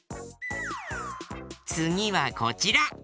つぎはこちら。